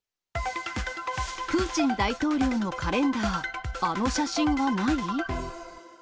プーチン大統領のカレンダー、あの写真がない？